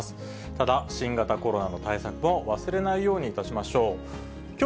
ただ、新型コロナの対策も忘れないようにいたしましょう。